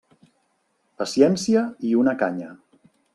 Paciència i una canya.